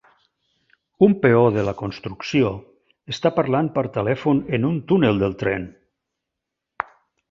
Un peó de la construcció està parlant per telèfon en un túnel del tren.